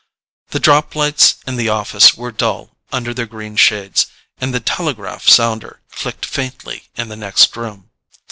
The drop lights in the office were dull under their green shades, and the telegraph sounder clicked faintly in the next room.